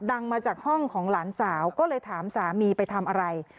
ดังมาจากห้องของหลานสาวก็เลยถามสามีไปทำอะไร